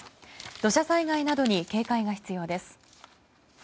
土砂災害などに警戒が必要です。